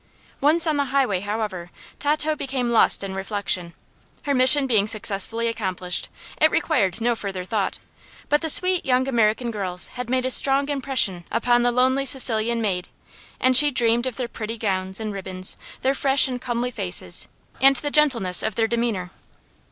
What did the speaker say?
Once on the highway, however, Tato became lost in reflection. Her mission being successfully accomplished, it required no further thought; but the sweet young American girls had made a strong impression upon the lonely Sicilian maid, and she dreamed of their pretty gowns and ribbons, their fresh and comely faces, and the gentleness of their demeanor.